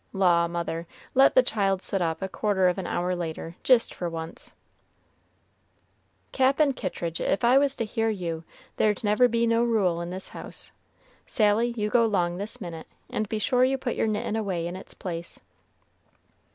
"Law, mother, let the child sit up a quarter of an hour later, jist for once." "Cap'n Kittridge, if I was to hear to you, there'd never be no rule in this house. Sally, you go 'long this minute, and be sure you put your knittin' away in its place."